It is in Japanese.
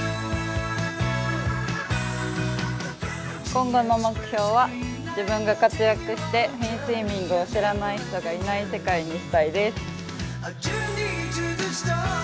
今後の目標は自分が活躍して、フィンスイミングを知らない人がいない世界にしたいです。